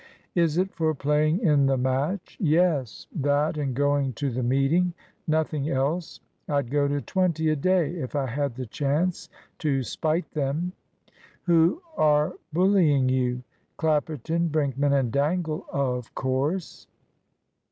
"Is it for playing in the match?" "Yes, that and going to the meeting. Nothing else. I'd go to twenty a day, if I had the chance, to spite them." "Who are bullying you?" "Clapperton, Brinkman, and Dangle, of course."